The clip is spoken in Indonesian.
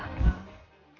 aku mau pergi